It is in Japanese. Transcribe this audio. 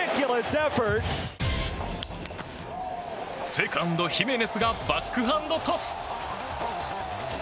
セカンド、ヒメネスがバックハンドトス。